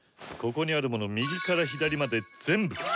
ここにあるもの右から左まで全部！